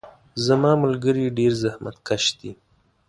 زما ملګري ډیر زحمت کش دي.